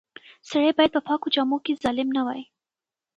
سړی باید په پاکو جامو کې ظالم نه وای.